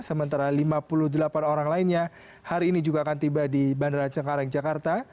sementara lima puluh delapan orang lainnya hari ini juga akan tiba di bandara cengkareng jakarta